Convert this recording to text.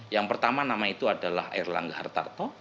yang pertama nama itu adalah erlangga hartarto